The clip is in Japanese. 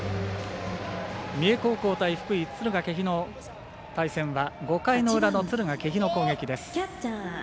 三重高校対福井・敦賀気比の対決は５回の裏の敦賀気比の攻撃です。